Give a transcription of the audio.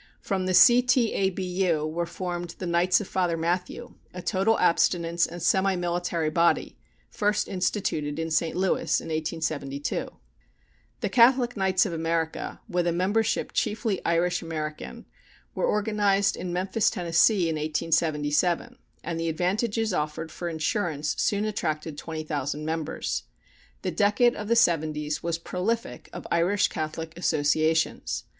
From the C.T.A.B.U. were formed the Knights of Father Mathew, a total abstinence and semi military body, first instituted in St. Louis in 1872. The Catholic Knights of America, with a membership chiefly Irish American, were organized in Memphis, Tennessee, in 1877, and the advantages offered for insurance soon attracted 20,000 members. The decade of the '70's was prolific of Irish Catholic associations.